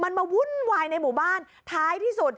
มันมาวุ่นวายในหมู่บ้านท้ายที่สุด